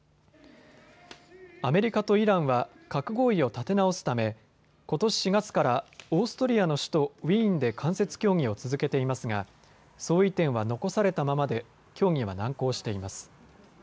アメリカとイランは核合意を立て直すためことし４月からオーストリアの首都ウィーンで間接協議を続けていますが相違点は残されたままで協議は難航しています。